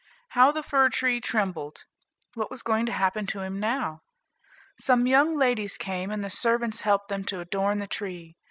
How the fir tree trembled! "What was going to happen to him now?" Some young ladies came, and the servants helped them to adorn the tree.